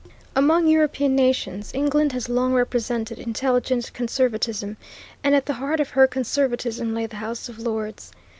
Among European nations England has long represented intelligent conservatism, and at the heart of her conservatism lay the House of Lords.